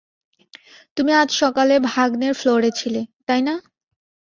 তুমি আজ সকালে ভাগ্যের ফ্লোরে ছিলে, তাই না?